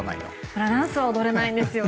フラダンスは踊れないんですよ。